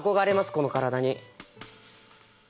この体に。